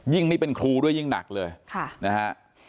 ยิ่งนี่เป็นครูด้วยยิ่งหนักเลยนะฮะ